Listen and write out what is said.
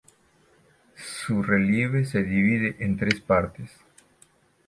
Su relieve se divide en tres partes.